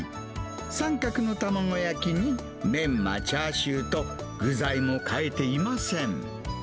三角の卵焼きに、メンマ、チャーシューと、具材も変えていません。